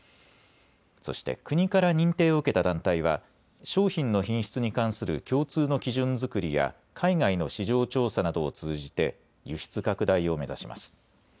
そして、国から認定を受けた団体は、商品の品質に関する共通の基準作りや、海外の市場調査などを通じて、輸出拡大を目指します。